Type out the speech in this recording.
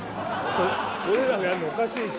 俺らがやるのおかしいし。